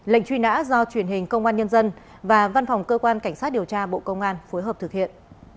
lệnh truy nã do truyền hình công an nhân dân và văn phòng cơ quan cảnh sát điều tra bộ công an phối hợp thực hiện